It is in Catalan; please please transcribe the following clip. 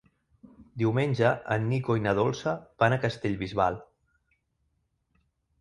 Diumenge en Nico i na Dolça van a Castellbisbal.